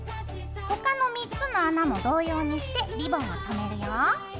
他の３つの穴も同様にしてリボンをとめるよ。